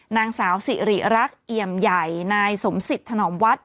นางสาวสิริรักษ์เอี่ยมใหญ่นายสมศิษย์ถนอมวัด